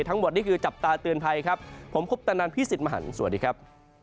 ทั้งหมดนี่คือจับตาเตือนภัยครับผมคุปตนันพี่สิทธิ์มหันฯสวัสดีครับ